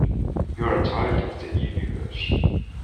You are a child of the universe